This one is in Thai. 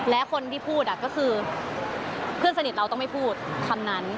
และคนที่พูดก็คือเพื่อนสนิทเราต้องไม่พูดคำนั้น